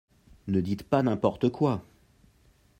Ne dites pas n’importe quoi